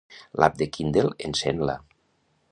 L'app de Kindle encén-la.